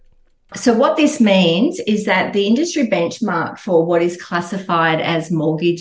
jadi apa yang ini artinya adalah bahwa benchmark industri untuk apa yang diklasifikasi sebagai